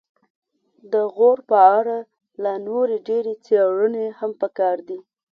د غور په اړه لا نورې ډېرې څیړنې هم پکار دي